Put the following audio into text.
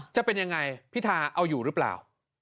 จะเป็นยังไงพิธาเอาอยู่หรือเปล่า